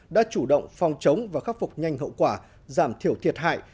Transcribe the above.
đã chủ động phòng chống và khắc phục nhanh hậu quả giảm thiểu thiệt hại